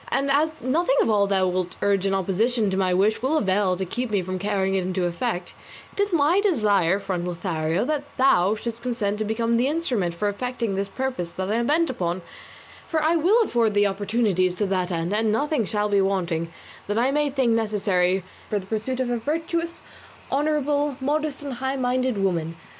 And, as nothing of all thou wilt urge in opposition to my wish will avail to keep me from carrying it into effect, it is my desire, friend Lothario, that thou shouldst consent to become the instrument for effecting this purpose that I am bent upon, for I will afford thee opportunities to that end, and nothing shall be wanting that I may think necessary for the pursuit of a virtuous, honourable, modest and high minded woman.